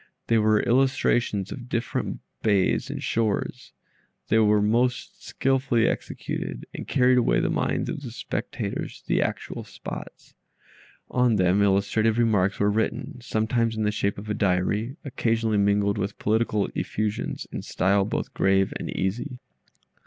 They were illustrations of different bays and shores. They were most skilfully executed, and carried away the minds of the spectators to the actual spots. On them illustrative remarks were written, sometimes in the shape of a diary, occasionally mingled with poetical effusions in style both grave and easy.